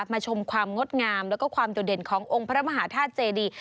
ชมความงดงามแล้วก็ความโดดเด่นขององค์พระมหาธาตุเจดี